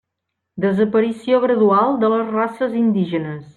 Desaparició gradual de les races indígenes.